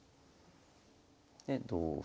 で同歩。